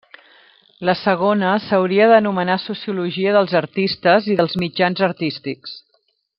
La segona s'hauria d'anomenar sociologia dels artistes i dels mitjans artístics.